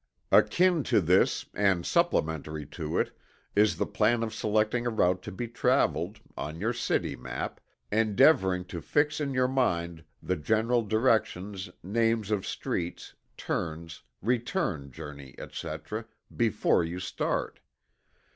Akin to this, and supplementary to it, is the plan of selecting a route to be traveled, on your city map, endeavoring to fix in your mind the general directions, names of streets, turns, return journey, etc., before you start.